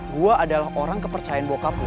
gua adalah orang kepercayaan bokap lu